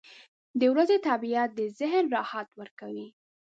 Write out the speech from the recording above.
• د ورځې طبیعت د ذهن راحت ورکوي.